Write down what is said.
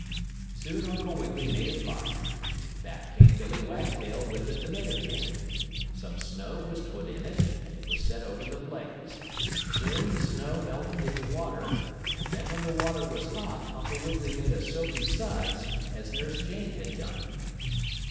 Soon Uncle Wiggily made a fire. Back came Billie Wagtail with the tomato can. Some snow was put in it, and it was set over the blaze. Soon the snow melted into water, and then when the water was hot Uncle Wiggily made a soapy suds as Nurse Jane had done.